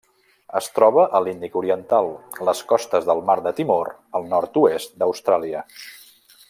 Es troba a l'Índic oriental: les costes del mar de Timor al nord-oest d'Austràlia.